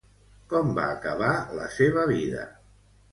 Com va acabar la seva vida?